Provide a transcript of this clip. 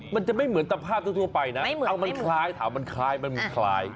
มันจะไม่เหมือนตาภาพทั่วไปนะถามมันคล้าย